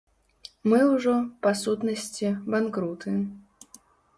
Мы ўжо, па сутнасці, банкруты.